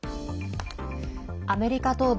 アメリカ東部